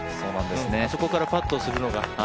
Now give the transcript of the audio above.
あそこからパットするのが。